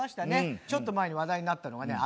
ちょっと前に話題になったのはね